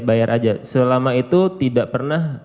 bayar aja selama itu tidak pernah